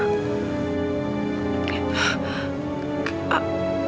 dia pasti akan masuk kejar